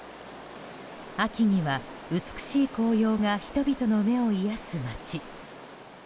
秋には美しい紅葉が人々の目を癒やす町。